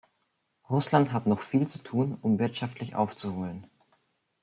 Russland hat noch viel zu tun, um wirtschaftlich aufzuholen.